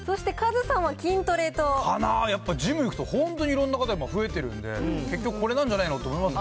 かなぁ、やっぱジム行くと本当、いろんな方増えてるんで、結局これなんじゃないのと思います